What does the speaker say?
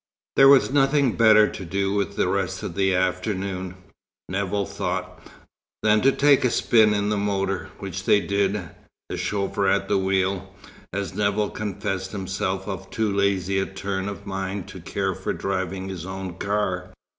There was nothing better to do with the rest of the afternoon, Nevill thought, than to take a spin in the motor, which they did, the chauffeur at the wheel, as Nevill confessed himself of too lazy a turn of mind to care for driving his own car.